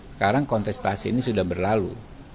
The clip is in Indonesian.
sekarang kontestasi ini sudah berlalu